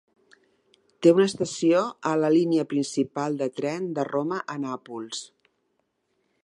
Té una estació a la línia principal de tren de Roma a Nàpols.